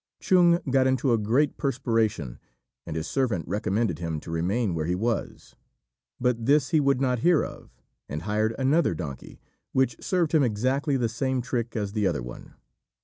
Chung got into a great perspiration, and his servant recommended him to remain where he was; but this he would not hear of, and hired another donkey, which served him exactly the same trick as the other one.